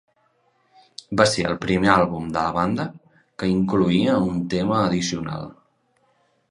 Va ser el primer àlbum de la banda que incloïa un tema addicional.